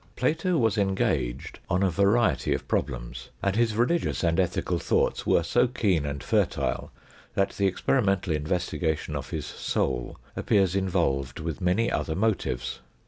Plato was engaged on a variety of problems, and his religious and ethical thoughts were so keen and fertile that the experimental investigation of his soul appears involved with many other motives.